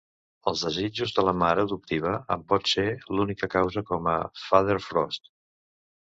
Els desitjos de la mare adoptiva en pot ser l'única causa, com a "Father Frost".